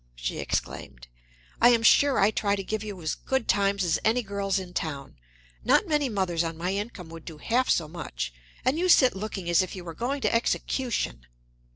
she exclaimed. "I am sure I try to give you as good times as any girls in town; not many mothers on my income would do half so much. And you sit looking as if you were going to execution!"